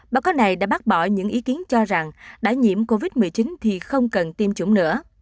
báo cáo này đã bác bỏ những ý kiến cho rằng đã nhiễm covid một mươi chín thì không cần tiêm chủng nữa